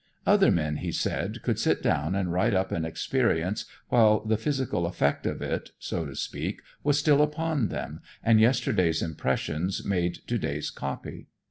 Other men, he said, could sit down and write up an experience while the physical effect of it, so to speak, was still upon them, and yesterday's impressions made to day's "copy."